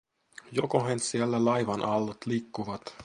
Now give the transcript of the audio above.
Jokohan siellä laivan aallot liikkuvat?